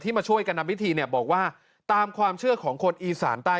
มาช่วยกันนำพิธีเนี่ยบอกว่าตามความเชื่อของคนอีสานใต้